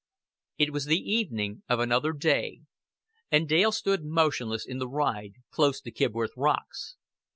XXXV It was the evening of another day; and Dale stood motionless in the ride, close to Kibworth Rocks.